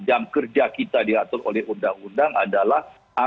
jam kerja kita diatur oleh undang undang adalah